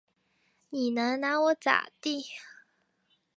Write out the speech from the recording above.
你能拿我咋地？